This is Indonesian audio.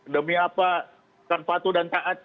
demi apa tanpa atu dan taat